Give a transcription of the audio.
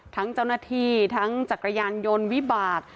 ทั้งเจ้าหน้าที่ทั้งจักรยานยนต์วิบาก